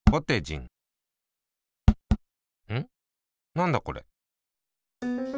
なんだこれ。